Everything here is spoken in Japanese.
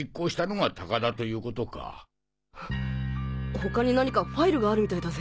他に何かファイルがあるみたいだぜ。